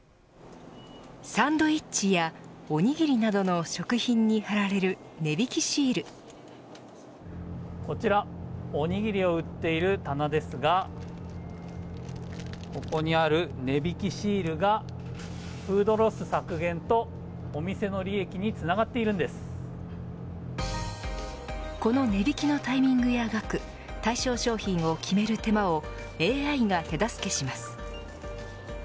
サンドイッチやおにぎりなどの食品に貼られるこちらおにぎりを売っている棚ですがここにある値引きシールがフードロス削減とお店の利益にこの値引きのタイミングや額対象商品を決める手間をＡＩが手助けします。